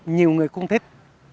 nhiều người cũng thích